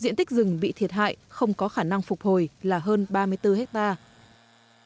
diện tích rừng bị thiệt hại không có khả năng phục hồi là hơn ba mươi bốn hectare